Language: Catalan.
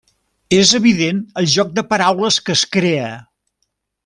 És evident el joc de paraules que es crea.